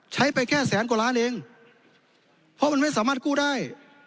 ใช้ไปแค่แสนกว่าล้านเองเพราะมันไม่สามารถกู้ได้